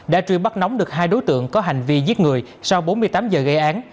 đã truy bắt nóng được hai đối tượng có hành vi giết người sau bốn mươi tám giờ gây án